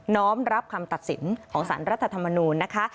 ้อมรับคำตัดสินของสารรัฐธรรมนูญนะคะ